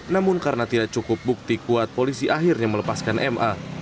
namun karena tidak cukup bukti kuat polisi akhirnya melepaskan ma